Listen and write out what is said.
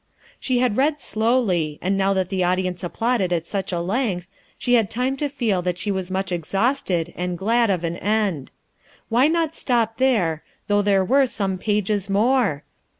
She had read slowly, and now that the audience applauded at such a length, she had time to feel she was much exhausted and glad of an end. Why not stop there, though there were some pages more?